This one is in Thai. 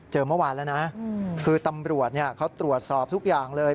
เมื่อวานแล้วนะคือตำรวจเขาตรวจสอบทุกอย่างเลย